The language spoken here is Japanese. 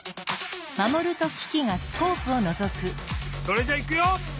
それじゃいくよ！